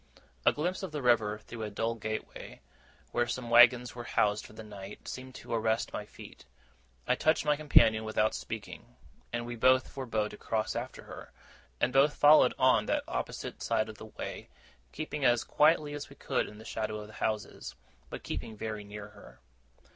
A glimpse of the river through a dull gateway, where some waggons were housed for the night, seemed to arrest my feet. I touched my companion without speaking, and we both forbore to cross after her, and both followed on that opposite side of the way; keeping as quietly as we could in the shadow of the houses, but keeping very near her.